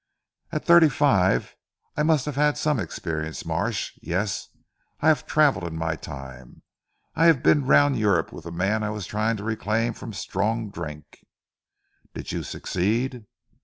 "At thirty five I must have had some experience Marsh. Yes! I have travelled in my time. I have been round Europe with a man I was trying to reclaim from strong drink " "Did you succeed?"